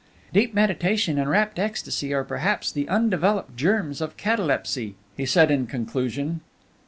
"Deep meditation and rapt ecstasy are perhaps the undeveloped germs of catalepsy," he said in conclusion.